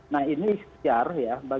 nah ini siar ya